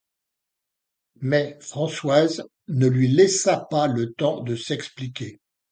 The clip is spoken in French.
Mais Françoise ne lui laissa pas le temps de s’expliquer.